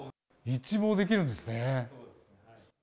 一望できるんですね。